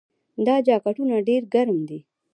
دا جاکټونه ډیر ګرم دي.